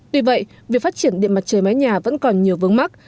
tuy vậy việc phát triển điện mặt trời mái nhà vẫn còn nhiều vướng mắt